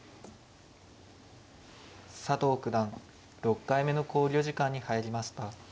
佐藤九段６回目の考慮時間に入りました。